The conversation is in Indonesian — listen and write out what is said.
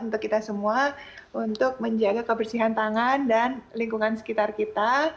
untuk kita semua untuk menjaga kebersihan tangan dan lingkungan sekitar kita